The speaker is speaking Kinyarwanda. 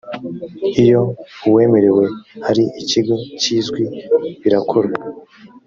iyo uwemerewe ari ikigo kizwi birakorwa